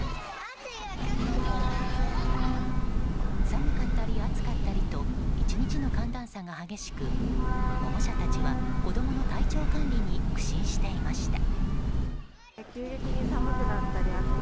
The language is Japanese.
寒かったり暑かったりと１日の寒暖差が激しく保護者たちは子供の体調管理に苦心していました。